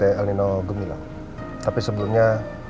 dari el nino gemilang tapi sebelumnya